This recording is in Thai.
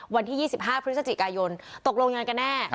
วันที่๒๕พฤศจิกายนตกลงยังไงกันแน่